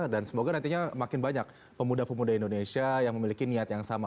dan semoga nantinya makin banyak pemuda pemuda indonesia yang memiliki niat yang sama